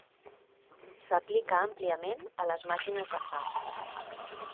S'aplica àmpliament a les màquines de fax.